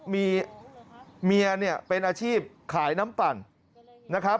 มีเมียเนี่ยเป็นอาชีพขายน้ำปั่นนะครับ